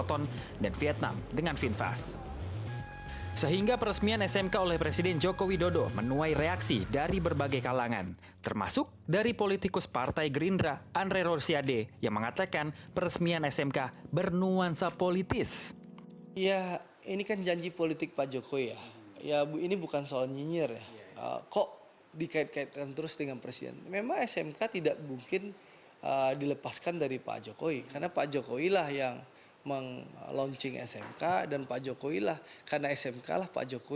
terima kasih terima kasih terima kasih